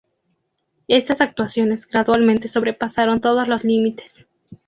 Estas actuaciones gradualmente sobrepasaron todos los límites.